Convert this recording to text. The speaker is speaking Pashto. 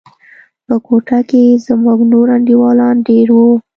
په كوټه کښې زموږ نور انډيوالان دېره وو.